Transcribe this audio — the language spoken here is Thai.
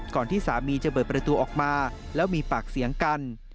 ที่สามีจะเปิดประตูออกมาแล้วมีปากเสียงกัน